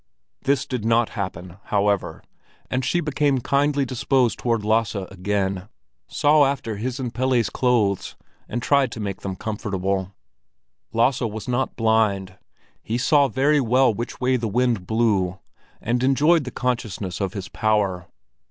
This did not happen, however; and she became kindly disposed toward Lasse again, saw after his and Pelle's clothes, and tried to make them comfortable. Lasse was not blind; he saw very well which way the wind blew, and enjoyed the consciousness of his power.